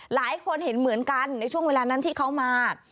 หลายคนเห็นเหมือนกันในช่วงเวลานั้นที่เขามา